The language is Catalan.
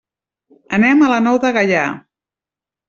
Anem a la Nou de Gaià.